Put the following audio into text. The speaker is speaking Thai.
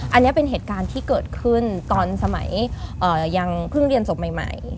อันนี้เป็นเหตุการณ์ที่เกิดขึ้นตอนสมัยยังเพิ่งเรียนศพใหม่